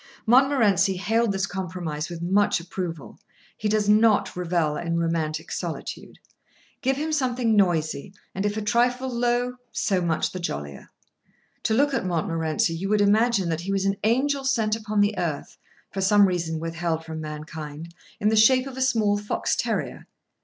Montmorency hailed this compromise with much approval. He does not revel in romantic solitude. Give him something noisy; and if a trifle low, so much the jollier. To look at Montmorency you would imagine that he was an angel sent upon the earth, for some reason withheld from mankind, in the shape of a small fox terrier.